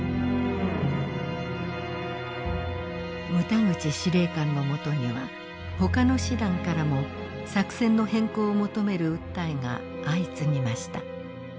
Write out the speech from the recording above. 牟田口司令官のもとにはほかの師団からも作戦の変更を求める訴えが相次ぎました。